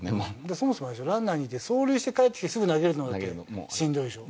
そもそもランナーにいて走塁してかえってきてすぐ投げるのもしんどいでしょ？